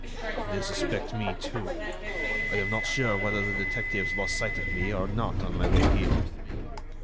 "They suspect me, too. I am not sure whether the detectives lost sight of me or not on my way here."